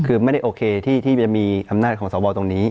คือไม่ได้โอเคที่จะมีอำนาจของสวตรงนี้